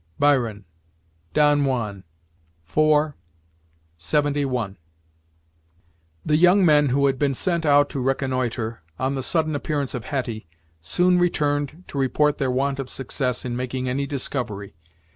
Byron. Don Juan, IV, lxxi. The young men who had been sent out to reconnoitre, on the sudden appearance of Hetty, soon returned to report their want of success in making any discovery.